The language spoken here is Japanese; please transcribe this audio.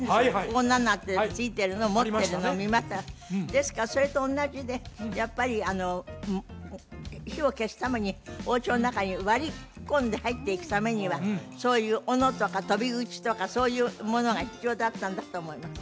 こんなんなって付いてるのを持ってるのを見ましたですからそれと同じでやっぱり火を消すためにお家の中に割り込んで入っていくためにはそういう斧とか鳶口とかそういうものが必要だったんだと思います